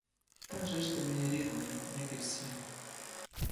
Та же ж ти мені рідний, як і всі.